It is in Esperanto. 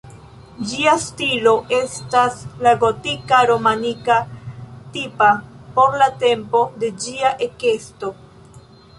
Ĝia stilo estas la gotika-romanika tipa por la tempo de ĝia ekesto.